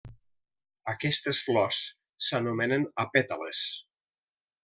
Aquestes flors s'anomenen apètales.